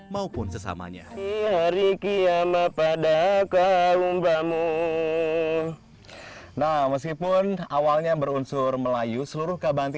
maupun sesamanya di hari kiamat pada kaum kamu nah meskipun awalnya berunsur melayu seluruh kabanti